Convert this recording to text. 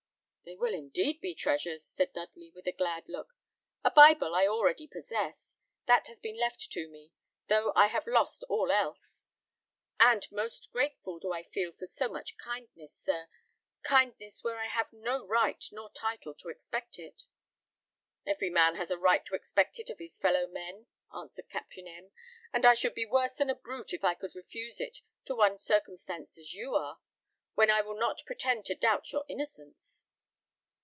"They will indeed be treasures," said Dudley, with a glad look. "A Bible I already possess. That has been left to me, though I have lost all else; and most grateful do I feel for so much kindness, sir kindness where I have no right nor title to expect it." "Every man has a right to expect it of his fellow men," answered Captain M ; "and I should be worse than a brute if I could refuse it to one circumstanced as you are, when I will not pretend to doubt your innocence."